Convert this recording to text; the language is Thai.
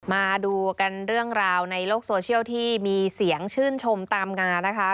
มาดูกันเรื่องราวในโลกโซเชียลที่มีเสียงชื่นชมตามงานนะคะ